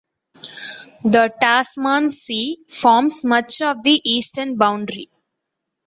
The Tasman Sea forms much of the eastern boundary.